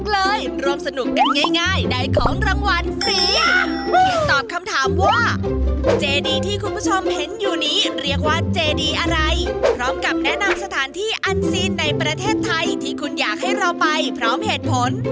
พร้อมกับแนะนำสถานที่อันซีนในประเทศไทยที่คุณอยากให้เราไปพร้อมเหตุผล